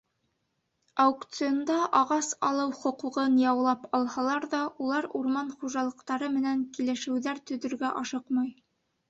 Аукционда ағас алыу хоҡуғын яулап алһалар ҙа, улар урман хужалыҡтары менән килешеүҙәр төҙөргә ашыҡмай.